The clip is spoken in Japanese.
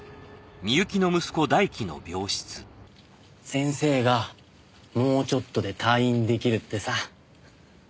先生がもうちょっとで退院出来るってさ。